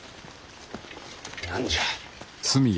何じゃ。